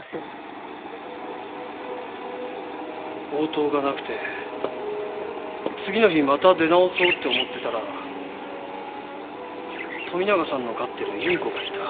応答がなくて次の日また出直そうって思ってたら富永さんの飼ってるインコがいた。